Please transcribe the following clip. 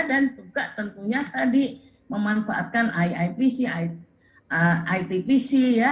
dan juga tentunya tadi memanfaatkan iipc itpc ya